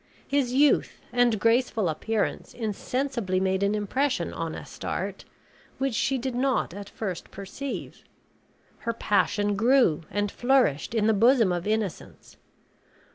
His youth and graceful appearance insensibly made an impression on Astarte, which she did not at first perceive. Her passion grew and flourished in the bosom of innocence.